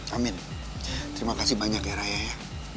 amin terima kasih banyak ya raya ya